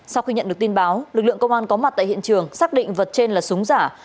sau khi nhận được tin báo lực lượng công an có mặt tại hiện trường xác định vật trên là súng giả